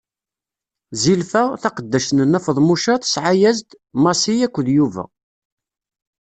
Zilfa, taqeddact n Nna Feḍmuca, tesɛa-as-d: Massi akked Yuba.